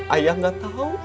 ayah gak tau